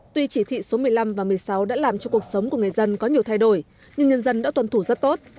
tuy chỉ thị số một mươi năm và một mươi sáu đã làm cho cuộc sống của người dân có nhiều thay đổi nhưng nhân dân đã tuân thủ rất tốt